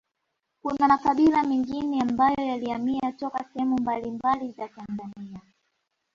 Kuna makabila mengine ambayo yalihamia toka sehemu mbambali za Tanzania